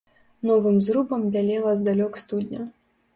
Новым зрубам бялела здалёк студня.